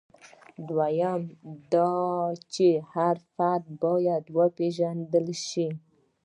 دویم دا چې هر فرد باید وپېژندل شي.